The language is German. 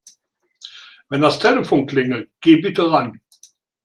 Wenn das Telefon klingelt, geh bitte ran.